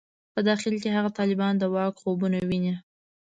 په داخل کې هغه طالبان د واک خوبونه ویني.